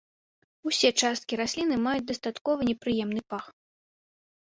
Усе часткі расліны маюць дастаткова непрыемны пах.